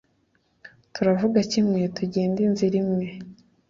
turavuga kimwe, tugenda inzira imwe